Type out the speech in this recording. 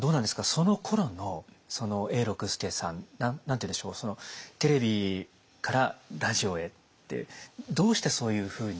そのころの永六輔さん何て言うんでしょうテレビからラジオへってどうしてそういうふうに？